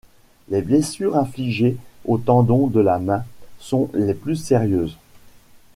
Les blessures infligées aux tendons de la main sont les plus sérieuses.